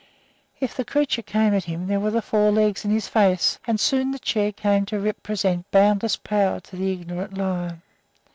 If the creature came at him, there were the four legs in his face; and soon the chair came to represent boundless power to that ignorant lion.